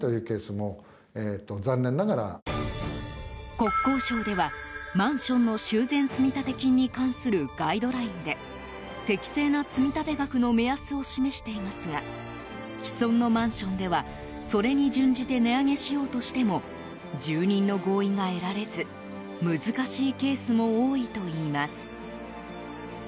国交省ではマンションの修繕積立金に関するガイドラインで適正な積立額の目安を示していますが既存のマンションではそれに準じて値上げしようとしても住人の合意が得られず難しいケースも多いといいます。